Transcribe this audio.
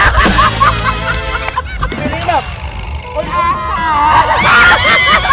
เป็นนี่แบบ